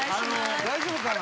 大丈夫かな？